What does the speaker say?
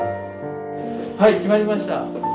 はい決まりました。